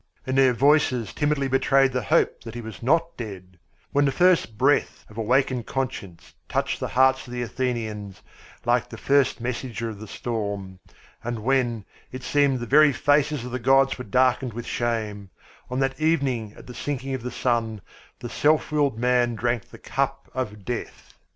and their voices timidly betrayed the hope that he was not dead; when the first breath of awakened conscience, touched the hearts of the Athenians like the first messenger of the storm; and when, it seemed the very faces of the gods were darkened with shame on that evening at the sinking of the sun the self willed man drank the cup of death!